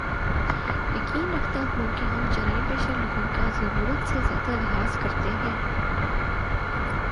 یقین رکھتا ہوں کے ہم جرائم پیشہ لوگوں کا ضرورت سے زیادہ لحاظ کرتے ہیں